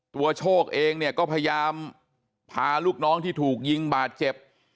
โชคเองเนี่ยก็พยายามพาลูกน้องที่ถูกยิงบาดเจ็บ